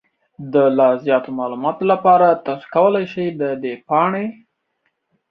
د لا زیاتو معلوماتو لپاره، تاسو کولی شئ د دې پاڼې